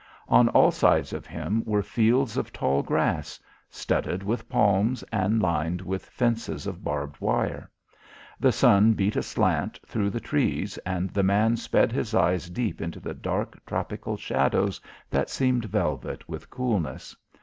On all sides of him were fields of tall grass, studded with palms and lined with fences of barbed wire. The sun beat aslant through the trees and the man sped his eyes deep into the dark tropical shadows that seemed velvet with coolness.